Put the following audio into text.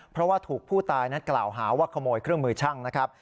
เพราะว่าถูกผู้ตายนั้นกล่าวหาว่าขโมยเครื่องมือช่างนะครับ